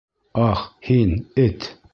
— Ах, һин, эт!